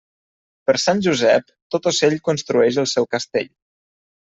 Per Sant Josep, tot ocell construeix el seu castell.